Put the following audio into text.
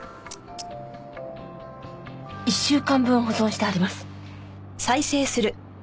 １週間分保存してあります。